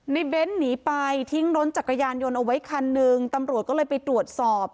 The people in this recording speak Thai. เบ้นหนีไปทิ้งรถจักรยานยนต์เอาไว้คันหนึ่งตำรวจก็เลยไปตรวจสอบ